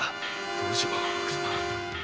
どうしよう若様。